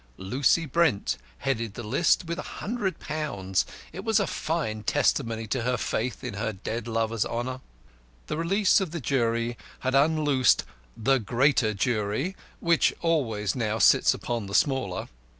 Lucy Brent headed the list with a hundred pounds. It was a fine testimony to her faith in her dead lover's honour. The release of the Jury had unloosed "The Greater Jury," which always now sits upon the smaller.